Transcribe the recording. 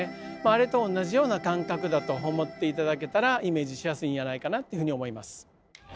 あれと同じような感覚だと思って頂けたらイメージしやすいんやないかなってふうに思います。